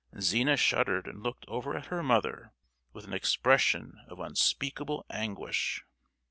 Zina shuddered, and looked over at her mother with an expression of unspeakable anguish.